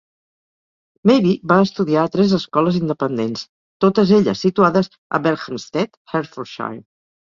Mabey va estudiar a tres escoles independents, totes elles situades a Berkhamsted, Hertfordshire.